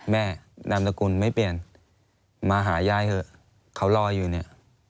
นามสกุลไม่เปลี่ยนมาหายายเถอะเขารออยู่เนี่ย